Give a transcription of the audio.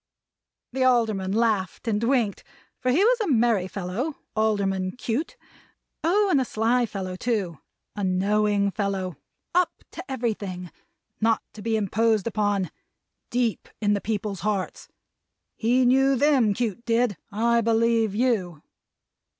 The Alderman laughed, and winked; for he was a merry fellow. Alderman Cute. Oh, and a sly fellow too! A knowing fellow. Up to everything. Not to be imposed upon. Deep in the people's hearts! He knew them, Cute did. I believe you!